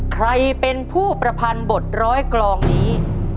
ใครเป็นผู้ประพันบทร้อยกลองนี้